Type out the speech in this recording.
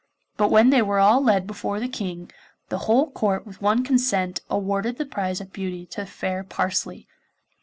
But when they were all led before the King, the whole Court with one consent awarded the prize of beauty to the fair Parsley.